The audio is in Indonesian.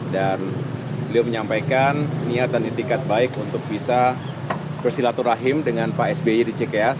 dan beliau menyampaikan niat dan intikat baik untuk bisa bersilaturahim dengan pak sby di cks